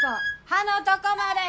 刃のとこまで。